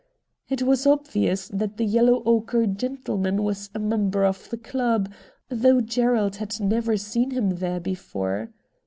It was obvious that the yellow ochre gentleman was a member of the club, though Gerald had never seen him there before.